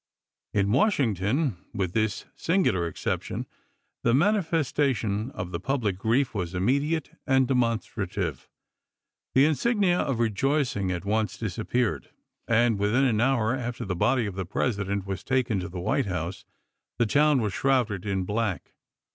In Washington, with this singular exception, the manifestation of the public grief was immediate and demonstrative. The insignia of rejoicing at once disappeared, and within an hour after the body of the President was taken to the White House the town was shrouded in black.